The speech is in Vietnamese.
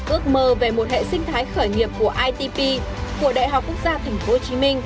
ước mơ về một hệ sinh thái khởi nghiệp của itp của đại học quốc gia tp hcm